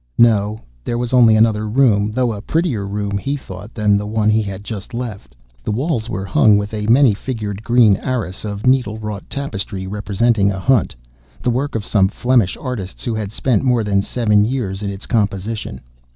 No; there was only another room, though a prettier room, he thought, than the one he had just left. The walls were hung with a many figured green arras of needle wrought tapestry representing a hunt, the work of some Flemish artists who had spent more than seven years in its composition.